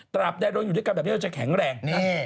ตราบใดยังอยู่ด้วยกับเนี่ยแต่แข็งแรงนะ